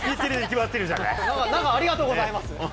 なんか、ありがとうございます。